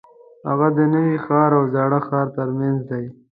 هغه د نوي ښار او زاړه ښار ترمنځ دی.